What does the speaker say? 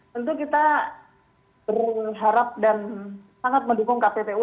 tentu kita berharap dan sangat mendukung kppu